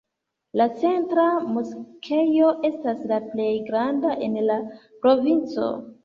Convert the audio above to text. La centra moskeo estas la plej granda en la provinco.